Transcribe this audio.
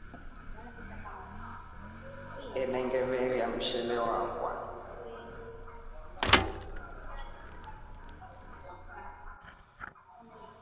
Enengivaria mshele wakwa.